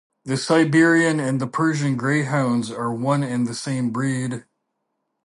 The Siberian and the Persian greyhounds are one and the same breed.